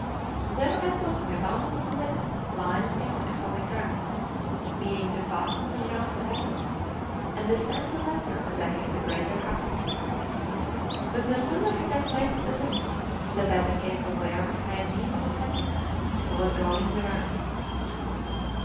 There I put my bundle of linen lines down upon the ground, meaning to fasten them round a battlement, and descend the lesser as I had the greater height. But no sooner had I placed the linen, than I became aware behind me of a sentinel, who was going the rounds.